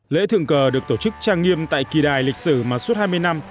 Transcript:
lễ thượng cờ được tổ chức trang nghiêm tại kỳ đài lịch sử mà suốt hai mươi năm